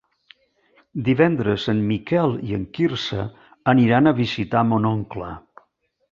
Divendres en Miquel i en Quirze aniran a visitar mon oncle.